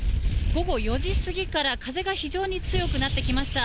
午後４時過ぎから風が非常に強くなってきました。